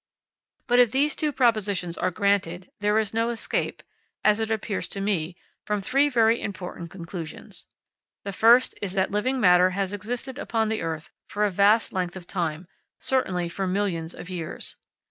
But if these two propositions are granted, there is no escape, as it appears to me, from three very important conclusions. The first is that living matter has existed upon the earth for a vast length of time, certainly for millions of years.